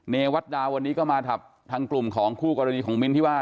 เนวัตดาวันนี้ก็มากับทางกลุ่มของคู่กรณีของมิ้นที่ว่า